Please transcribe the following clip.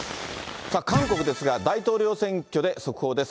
韓国ですが、大統領選挙で速報です。